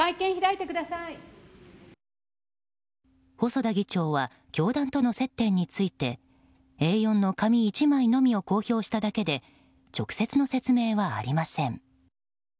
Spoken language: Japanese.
細田議長は教団との接点についてＡ４の紙１枚のみを公表しただけで直接の説明はありません。